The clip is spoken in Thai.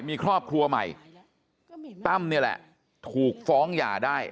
มีครอบครัวใหม่ตั้มนี่แหละถูกฟ้องหย่าได้